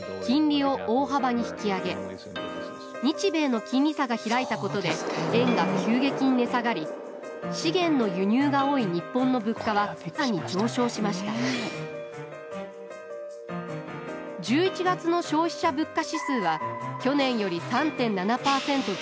日米の金利差が開いたことで円が急激に値下がり資源の輸入が多い日本の物価は更に上昇しました１１月の消費者物価指数は去年より３．７％上昇。